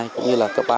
cũng như là cấp ba